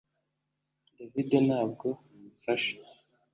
David ntabwo amfasha